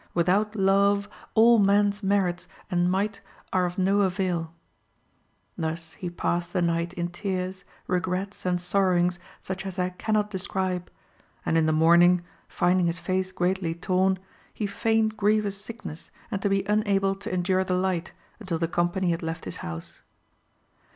Without love, all man's merits and might are of no avail." Thus he passed the night in tears, regrets, and sorrowings such as I cannot describe; and in the morning, finding his face greatly torn, he feigned grievous sickness and to be unable to endure the light, until the company had left his house.